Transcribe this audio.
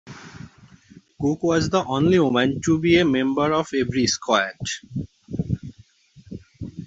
Cook was the only woman to be a member of every squad.